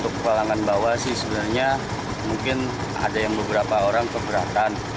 untuk kalangan bawah sih sebenarnya mungkin ada yang beberapa orang keberatan